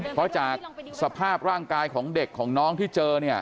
เพราะจากสภาพร่างกายของเด็กของน้องที่เจอเนี่ย